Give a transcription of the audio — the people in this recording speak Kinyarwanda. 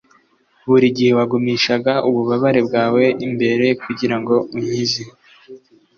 burigihe wagumishaga ububabare bwawe imbere kugirango unkize